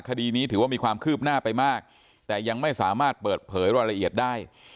คดีนี้ถือว่ามีความคืบหน้าไปมากแต่ยังไม่สามารถเปิดเผยรายละเอียดได้